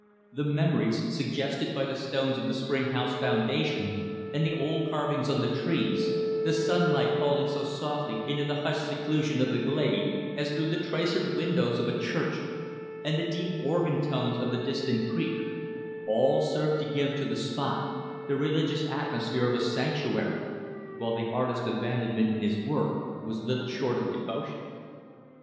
The memories suggested by the stones of the spring house foundation and the old carvings on the trees; the sunlight, falling so softly into the hushed seclusion of the glade, as through the traceried windows of a church; and the deep organ tones of the distant creek; all served to give to the spot the religious atmosphere of a sanctuary; while the artist's abandonment in his work was little short of devotion.